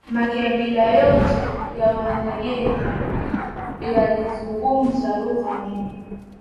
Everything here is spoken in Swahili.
makabila yote ya wenyeji yalizungumza lugha moja